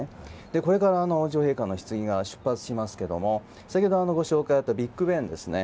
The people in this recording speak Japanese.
これから女王陛下のひつぎが出発しますけど先程ご紹介があったビッグベンですね。